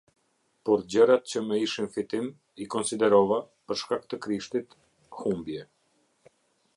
Por gjërat që më ishin fitim, i konsiderova, për shkak të Krishtit, humbje.